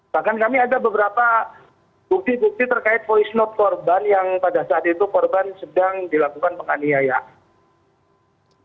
bahkan kami ada beberapa bukti bukti terkait voice note korban yang pada saat itu korban sedang dilakukan penganiayaan